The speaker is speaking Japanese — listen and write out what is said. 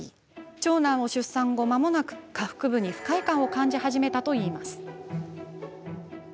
長男を出産後、まもなく下腹部に不快感を感じ始めたといいます。